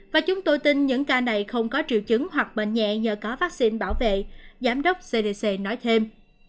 và chúng tôi tin những ca này không có triệu chứng hoặc bệnh nhẹ nhờ có vaccine bảo vệ giám đốc cdc nói thêm